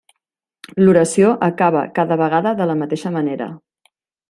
L'oració acaba cada vegada de la mateixa manera.